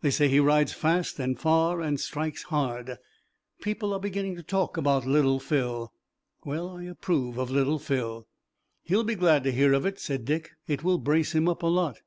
They say he rides fast and far and strikes hard. People are beginning to talk about Little Phil. Well, I approve of Little Phil." "He'll be glad to hear of it," said Dick. "It will brace him up a lot."